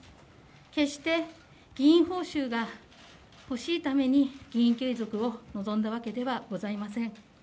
決して議員報酬が欲しいために議員継続を望んだわけではございません。